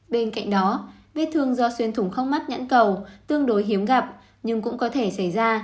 bên cạnh đó viết thương do xuyên thùng khóc mắt nhãn cầu tương đối hiếm gặp nhưng cũng có thể xảy ra